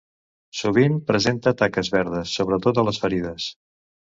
Sovint presenta taques verdes, sobretot a les ferides.